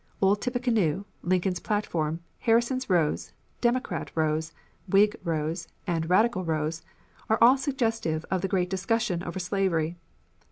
"Old Tippecanoe," "Lincoln's Platform," "Harrison Rose," "Democrat Rose," "Whig Rose," and "Radical Rose" are all suggestive of the great discussion over slavery.